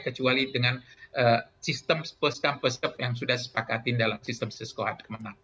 kecuali dengan sistem perskampus yang sudah disepakati